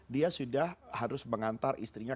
dia sudah harus mengantar istrinya